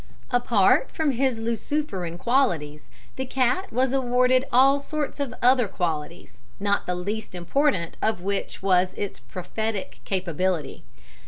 "Apart from his luciferan qualities, the cat was awarded all sorts of other qualities, not the least important of which was its prophetic capability.